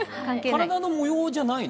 体の模様じゃないの？